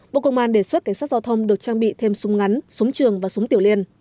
bộ công an đề xuất cảnh sát giao thông được trang bị thêm súng ngắn súng trường và súng tiểu liên